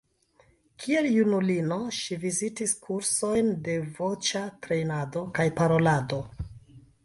Kiel junulino ŝi vizitis kursojn de voĉa trejnado kaj parolado.